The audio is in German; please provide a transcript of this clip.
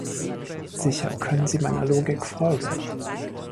Sicher können Sie meiner Logik folgen.